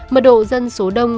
mật độ dân số đông